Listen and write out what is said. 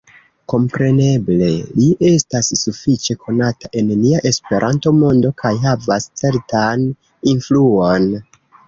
Kompreneble, li estas sufiĉe konata en nia Esperanto-mondo kaj havas certan influon.